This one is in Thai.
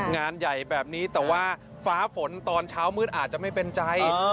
งานใหญ่แบบนี้แต่ว่าฟ้าฝนตอนเช้ามืดอาจจะไม่เป็นใจ